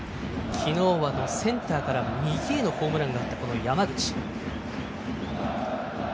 昨日はセンターから右へのホームランがあった、山口。